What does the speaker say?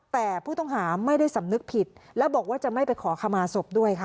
แต่ผู้ต้องหาไม่ได้สำนึกผิดแล้วบอกว่าจะไม่ไปขอขมาศพด้วยค่ะ